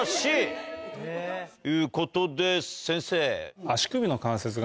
ということで先生。